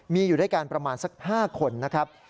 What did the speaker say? มีอยู่ด้วยกันประมาณสัก๕คนนะครับ